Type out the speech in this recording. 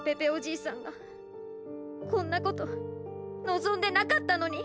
こんなことのぞんでなかったのに！